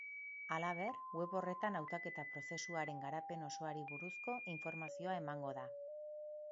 Halaber, web horretan hautaketa-prozesuaren garapen osoari buruzko informazioa emango da.